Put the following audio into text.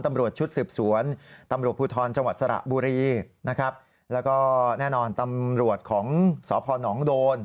ตำรวจชุดสืบสวนตำรวจภูทรจังหวัดสระบุรีนะครับแล้วก็แน่นอนตำรวจของสพนโดน